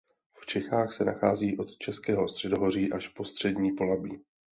V Čechách se nachází od Českého středohoří až po střední Polabí.